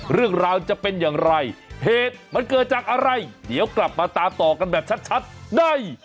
เรื่องราวจะเป็นอย่างไรเหตุมันเกิดจากอะไรเดี๋ยวกลับมาตามต่อกันแบบชัดได้